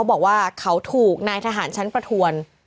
บอกว่าเขาถูกนายทหารชั้นประทวน